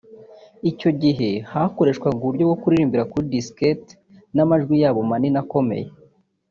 icyo gihe bakoreshwaga uburyo bwo kuririmbira kuri diskette n’amajwi yabo manini akomeye